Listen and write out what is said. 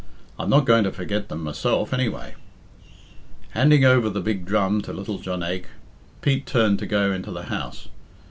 I'm not going to forget them myself, anyway." Handing over the big drum to little Jonaique, Pete turned to go into the house.